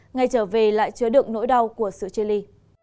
ngay trở về lại chứa đựng nỗi đau của sự chia ly